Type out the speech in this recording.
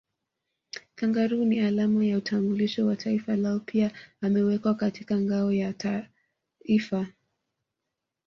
Kangaroo ni alama ya utambulisho wa taifa lao pia amewekwa katika ngao ya Taifa